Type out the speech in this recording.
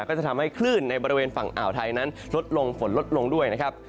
ก็จะทำให้คลื่นในบริเวณฝั่งอ่าวไทยนั้นลดลงฝนลดลงด้วยนะครับ